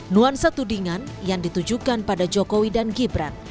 nuansa tudingan yang ditujukan pada jokowi dan gibran